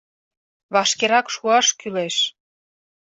Вашкерак шуаш кӱлеш.